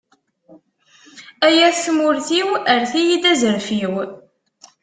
Ay at tmurt-iw, erret-iyi-d azref-iw.